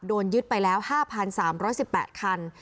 โดนยึดไปแล้ว๕๓๑๘คัน